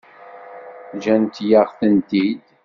Ǧǧant-yaɣ-tent-id.